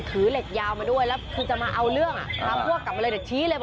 ถือเชียวมาด้วยแบบนี้เลย